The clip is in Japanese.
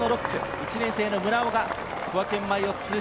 １年生の村尾が小涌園前を通過。